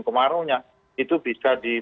kemarau nya itu bisa di